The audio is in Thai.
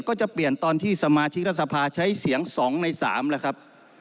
ก็จะเปลี่ยนตอนที่สมาชิกรัฐสภาใช้เสียง๒ใน๓แล้วครับ